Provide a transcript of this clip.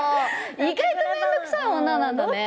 意外とめんどくさい女なんだね。